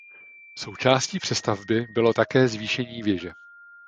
Součástí přestavby bylo také zvýšení věže.